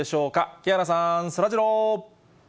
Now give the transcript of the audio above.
木原さん、そらジロー。